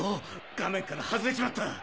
画面からはずれちまった。